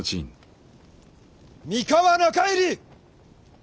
三河中入り！